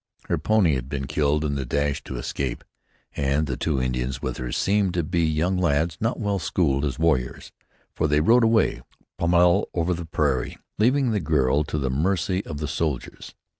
Her pony had been killed in the dash to escape, and the two Indians with her seemed to be young lads not yet well schooled as warriors, for they rode away pellmell over the prairie, leaving the girl to the mercy of the soldiers.